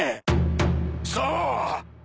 そう！